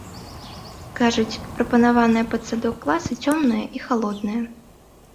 Кажуць, прапанаваныя пад садок класы цёмныя і халодныя.